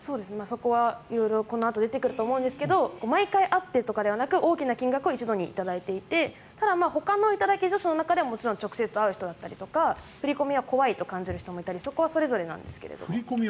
そこはこのあと出てくると思いますが毎回会っているということではなく大きな金額を一度に頂いていてほかの頂き女子ではもちろん直接会う人だったり振り込みが怖いと思う人だったりそこはそれぞれなんですが。